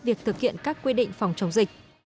việc thực hiện các quy định phòng chống dịch